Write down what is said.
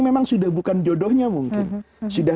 memang sudah bukan jodohnya mungkin sudah